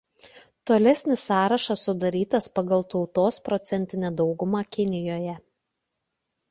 Tolesnis sąrašas sudarytas pagal tautos procentinę daugumą Kinijoje.